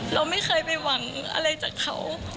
เราไม่เคยไปหวังอะไรจากเขา